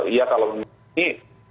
ya kalau ini